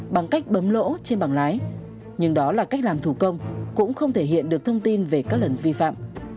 bằng cách bấm lỗ trên bảng lái nhưng đó là cách làm thủ công cũng không thể hiện được thông tin về các lần vi phạm